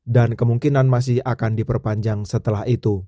dan kemungkinan masih akan diperpanjang setelah itu